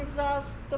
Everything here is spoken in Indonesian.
sma dua bantul